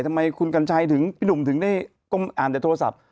ทำไมคุณกัญชัยถึงพี่หนุ่มถึงได้ก้มอ่านแต่โทรศัพท์